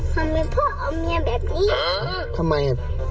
ทำไมพ่อเอาเมียแบบนี้